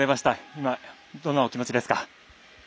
今、どんなお気持ちですか？